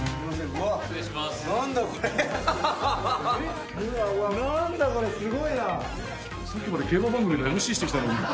さっきまで競馬番組のＭＣしてきたのに。